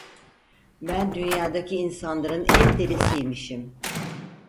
Ben dünyadaki insanların en delisiymişim…